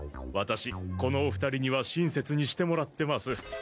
ワタシこのお二人には親切にしてもらってます。